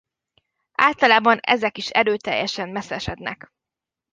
Általában ezek is erőteljesen meszesednek.